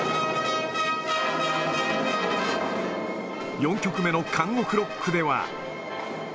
４曲目の監獄ロックでは。